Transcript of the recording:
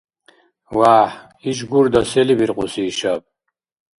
ВяхӀхӀ! Иш гурда сели биркьуси ишаб?